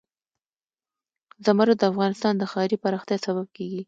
زمرد د افغانستان د ښاري پراختیا سبب کېږي.